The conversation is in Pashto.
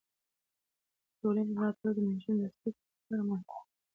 د ټولنې ملاتړ د نجونو د زده کړې لپاره مهم دی.